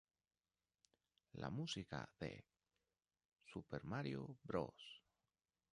La música de "Super Mario Bros.